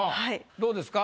どうですか？